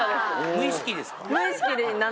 無意識ですか？